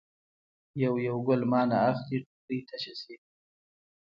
یو یو ګل مانه اخلي ټوکرۍ تشه شي.